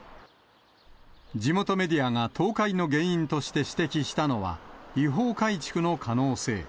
地元メディアが倒壊の原因として指摘したのは、違法改築の可能性。